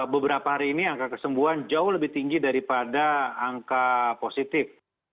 beberapa hari ini angka kesembuhan jauh lebih tinggi daripada angka positif